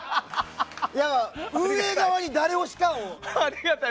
運営側に誰推しかもさ。